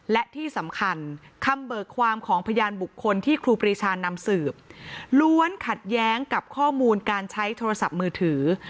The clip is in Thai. และที่สำคัญคำเบิกความของพยานบุคคลที่ครูปรีชานำสืบล้วนขัดแย้งกับข้อมูลการใช้โทรศัพท์มือถือ